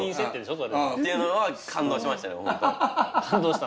っていうのは感動しましたね本当。